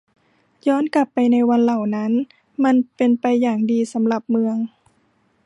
ย้อนกลับไปวันเหล่านั้น มันเป็นไปอย่างดีสำหรับเมือง